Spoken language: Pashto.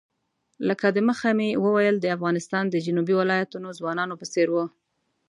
لکه د مخه مې وویل د افغانستان د جنوبي ولایتونو ځوانانو په څېر وو.